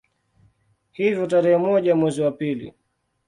Hivyo tarehe moja mwezi wa pili